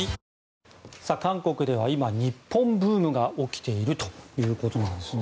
韓国では今日本ブームが起きているということなんですね。